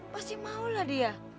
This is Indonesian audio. pasti maulah dia